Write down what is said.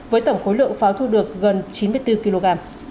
với tổng khối lượng pháo thu được gần chín mươi bốn kg